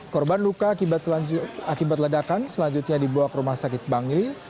korban luka akibat ledakan selanjutnya dibuat rumah sakit bangil